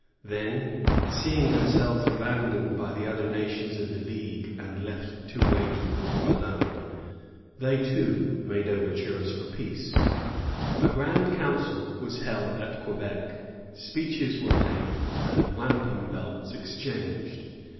Then, seeing themselves abandoned by the other nations of the league and left to wage the war alone, they too made overtures of peace. A grand council was held at Quebec. Speeches were made, and wampum belts exchanged.